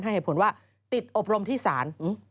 เหตุผลว่าติดอบรมที่ศาล